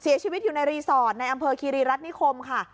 เสียชีวิตอยู่ในรีสอร์ทในอำเภอคีรีรัฐนิคมค่ะ